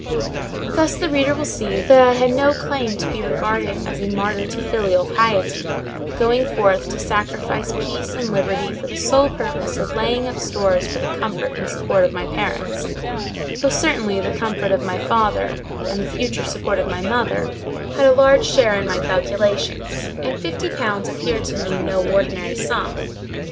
Thus, the reader will see that I had no claim to be regarded as a martyr to filial piety, going forth to sacrifice peace and liberty for the sole purpose of laying up stores for the comfort and support of my parents: though certainly the comfort of my father, and the future support of my mother, had a large share in my calculations; and fifty pounds appeared to me no ordinary sum.